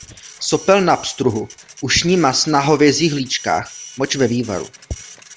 Sopel na pstruhu, ušní maz na hovězích líčkách, moč ve vývaru.